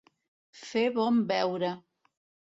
Fer bon veure.